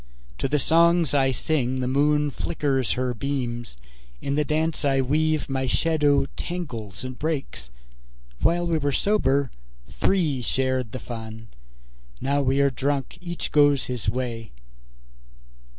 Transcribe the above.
To the songs I sing the moon flickers her beams; In the dance I weave my shadow tangles and breaks. While we were sober, three shared the fun; Now we are drunk, each goes his way.